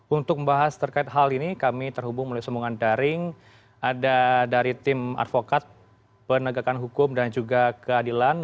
untuk membahas terkait hal ini kami terhubung melalui sambungan daring ada dari tim advokat penegakan hukum dan juga keadilan